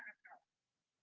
apa yang akan dikawal